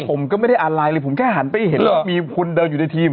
ผมก็ไม่ได้อะไรเลยผมแค่หันไปเห็นว่ามีคุณเดินอยู่ในทีม